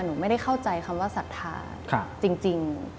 หนูไม่ได้เข้าใจคำว่าศรัทธาจริง